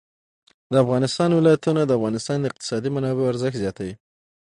د افغانستان ولايتونه د افغانستان د اقتصادي منابعو ارزښت زیاتوي.